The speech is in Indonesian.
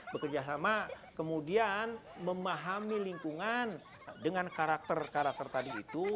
bekerjasama kemudian memahami lingkungan dengan karakter karakter tadi itu